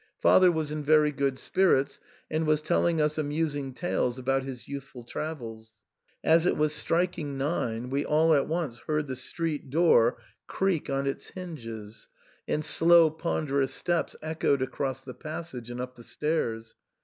Father was in very good spirits, and was telling us amusing tales about his youthful travels. As it was striking nine we all at once heard the street doof .creak on its hinges, and slow ponderous steps echoed across the passage and up the stairs.